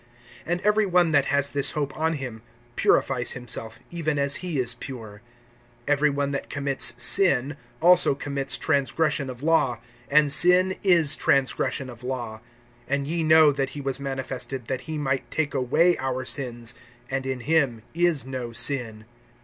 (3)And every one, that has this hope on him, purifies himself even as he is pure. (4)Every one that commits sin also commits transgression of law; and sin is transgression of law. (5)And ye know that he was manifested that he might take away our[3:5] sins; and in him is no sin.